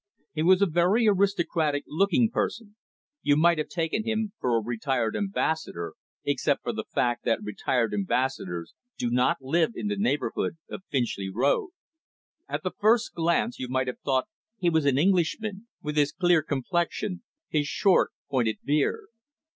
He was a very aristocratic looking person; you might have taken him for a retired ambassador, except for the fact that retired ambassadors do not live in the neighbourhood of Finchley Road. At the first glance you might have thought he was an Englishman, with his clear complexion, his short, pointed beard.